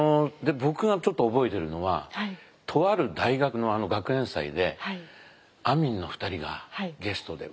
僕がちょっと覚えてるのはとある大学の学園祭であみんの２人がゲストで。